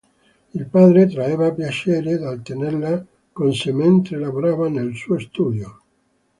Il padre traeva piacere dal tenerla con sé mentre lavorava nel suo studio.